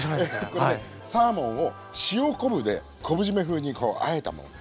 これねサーモンを塩昆布で昆布じめ風にこうあえたものですね。